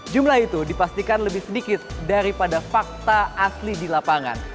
jumlah itu dipastikan lebih sedikit daripada fakta asli di lapangan